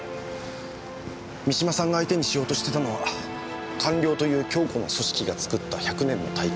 三島さんが相手にしようとしてたのは官僚という強固な組織が作った１００年の大計です。